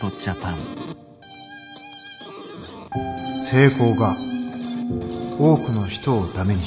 成功が多くの人を駄目にした。